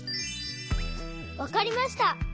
わかりました！